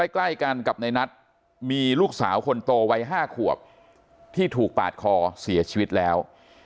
ใกล้กันกับในนัทมีลูกสาวคนโตวัย๕ขวบที่ถูกปาดคอเสียชีวิตแล้ว